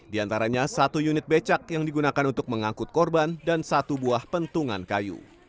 di antaranya satu unit becak yang digunakan untuk mengangkut korban dan satu buah pentungan kayu